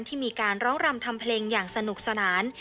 ที่มีการร้องรำทำเพลงอย่างสนุกสนาน